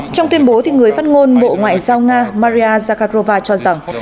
trong tuyên bố người phát ngôn bộ ngoại giao nga maria zakharova cho rằng